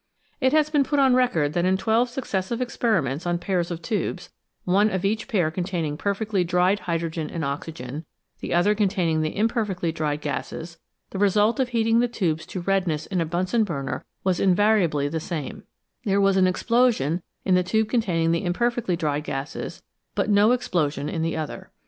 It has been put on record that in twelve successive experiments on pairs of tubes, one of each pair containing perfectly dried hydrogen and oxygen, the other containing the imperfectly dried gases, the result of heating the tubes to redness in a Bunsen burner was invariably the same ; there was an explosion in the tube containing the im perfectly dried gases, but no explosion in the other.